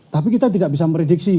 tapi kita tidak bisa prediksi